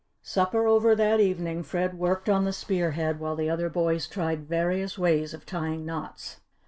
Supper over that evening, Fred worked on the spear head while the other boys tried various ways of tying knots.